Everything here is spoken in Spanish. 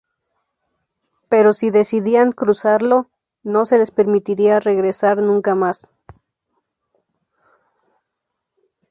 Pero si decidían cruzarlo, no se les permitiría regresar nunca más.